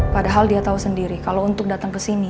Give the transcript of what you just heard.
padahal dia tahu sendiri kalau untuk datang ke sini